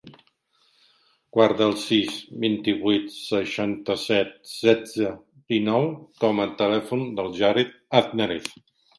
Guarda el sis, vint-i-vuit, seixanta-set, setze, dinou com a telèfon del Jared Aznarez.